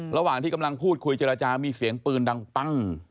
ระหว่างที่กำลังพูดคุยเจรจามีเสียงปืนดังปั้ง